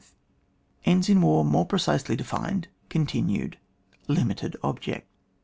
ENDS IN WAE MOEE PRECISELY DEFINED— (coiminjED). LIMITED OBJECT.